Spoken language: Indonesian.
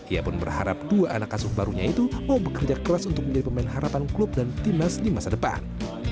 ia pun berharap dua anak asuh barunya itu mau bekerja keras untuk menjadi pemain harapan klub dan timnas di masa depan